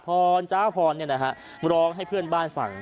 จ้าพรร้องให้เพื่อนบ้านฟัง